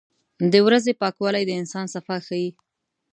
• د ورځې پاکوالی د انسان صفا ښيي.